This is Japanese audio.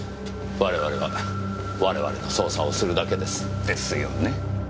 我々は我々の捜査をするだけです。ですよね。